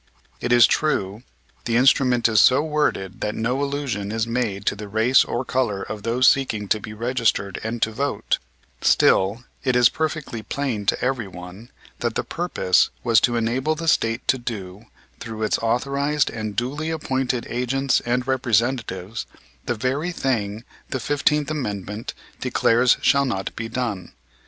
It is true, the instrument is so worded that no allusion is made to the race or color of those seeking to be registered and to vote; still, it is perfectly plain to everyone that the purpose was to enable the State to do, through its authorized and duly appointed agents and representatives, the very thing the Fifteenth Amendment declares shall not be done.